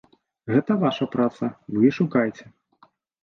Гэта ваша праца, вы і шукайце!